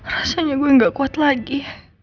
rasanya gue gak kuat lagi